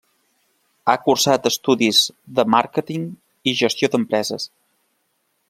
Ha cursat estudis de màrqueting i gestió d'empreses.